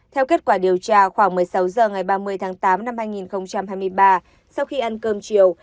theo kết quả điều tra khoảng một mươi sáu h ngày ba mươi tháng tám năm hai nghìn hai mươi ba sau khi ăn cơm chiều